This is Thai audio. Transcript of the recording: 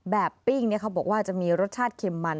ปิ้งเขาบอกว่าจะมีรสชาติเค็มมัน